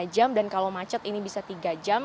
dua jam dan kalau macet ini bisa tiga jam